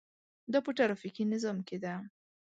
دا په ټرافیکي نظام کې ده.